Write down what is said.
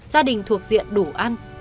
gia đình thuộc diện đủ ăn